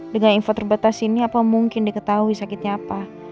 dengan info terbatas ini apa mungkin diketahui sakitnya apa